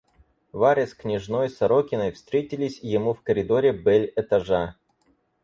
Варя с княжной Сорокиной встретились ему в коридоре бель-этажа.